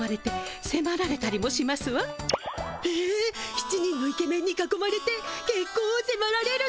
７人のイケメンにかこまれて結婚をせまられるの？